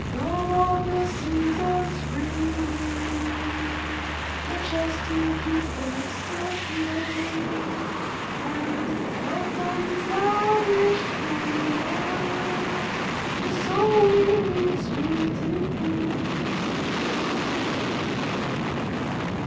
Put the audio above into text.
Garb of the season's bringing, Majestic it decks the hills, And Autumn's lavish splendor The soul with its beauty fills.